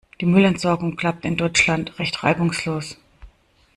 Die Müllentsorgung klappt in Deutschland recht reibungslos.